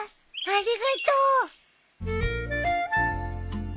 ありがとう。